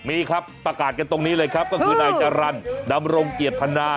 มีครับประกาศกันตรงนี้เลยครับก็คือนายจรรย์ดำรงเกียรติธนา